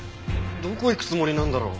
どこへ行くつもりなんだろう？